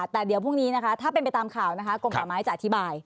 แต่เดี๋ยวพรุ่งนี้นะคะถ้าเป็นไปตามข่าวนะคะกรมป่าไม้จะอธิบาย